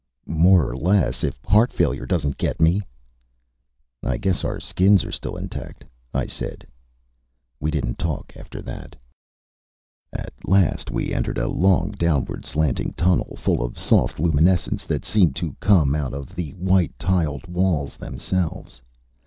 "More or less if heart failure doesn't get me." "I guess our skins are still intact," I said. We didn't talk after that. At last we entered a long, downward slanting tunnel, full of soft luminescence that seemed to come out of the white tiled walls themselves.